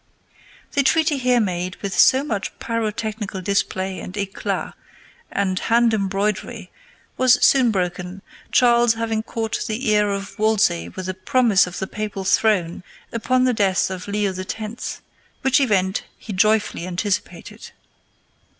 The treaty here made with so much pyrotechnical display and éclat and hand embroidery was soon broken, Charles having caught the ear of Wolsey with a promise of the papal throne upon the death of Leo X., which event he joyfully anticipated.